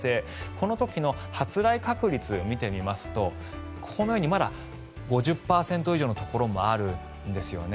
この時の発雷確率を見てみますとこのようにまだ５０％以上のところもあるんですよね。